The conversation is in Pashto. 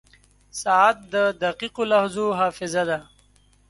• ساعت د دقیقو لحظو حافظه ده.